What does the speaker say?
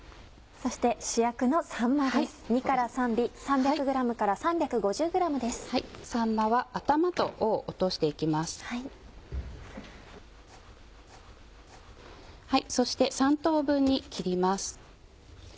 そして３等分に切ります。